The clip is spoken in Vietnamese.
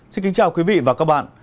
xin kính chào quý vị và các bạn